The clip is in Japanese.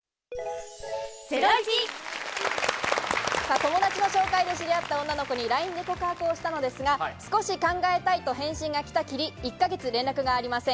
友達の紹介で知り合った女の子にＬＩＮＥで告白したのですが、少し考えたいと返信が来たきり、１か月連絡がありません。